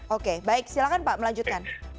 oke baik silahkan pak melanjutkan